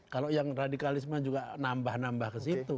kalau yang radikalisme juga nambah nambah